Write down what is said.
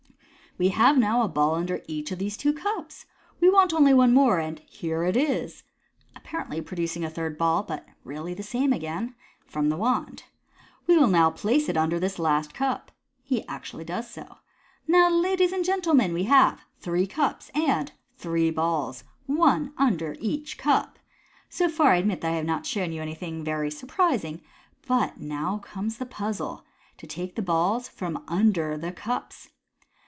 " We have now a ball under each of these two cups. We only want one more, and— here it is "— apparently producing a third ball (really the same again) from the wand. " We will place it under this last cup." He actually does so. "Now, ladies and gentlemen, we have three cups and three balls, one under each cup. So far, I admit that I have not shown you anything very surprising, but now comes the puzzle, to take the balls from under the cups.